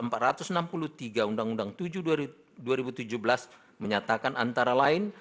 pasal empat ratus enam puluh tiga undang undang tujuh dua ribu tujuh belas menyatakan antara lain